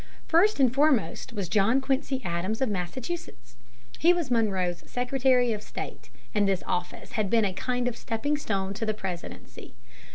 First and foremost was John Quincy Adams of Massachusetts. He was Monroe's Secretary of State, and this office had been a kind of stepping stone to the presidency.